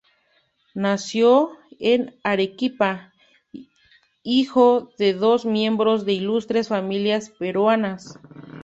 Nació en Arequipa, hijo de dos miembros de ilustres familias peruanas.